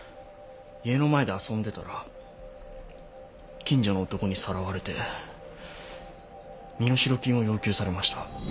家の前で遊んでたら近所の男にさらわれて身代金を要求されました。